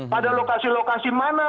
pada lokasi lokasi mana